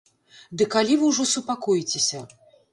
Ды калі вы ўжо супакоіцеся?